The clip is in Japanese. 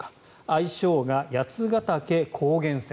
愛称が八ヶ岳高原線。